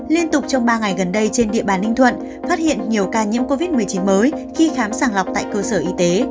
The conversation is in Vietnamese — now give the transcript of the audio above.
liên tục trong ba ngày gần đây trên địa bàn ninh thuận phát hiện nhiều ca nhiễm covid một mươi chín mới khi khám sàng lọc tại cơ sở y tế